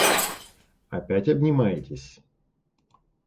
Опять обнимаетесь?